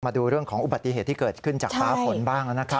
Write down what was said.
มาดูเรื่องของอุบัติเหตุที่เกิดขึ้นจากฟ้าฝนบ้างนะครับ